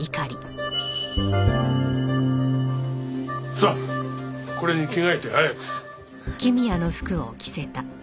さあこれに着替えて早く。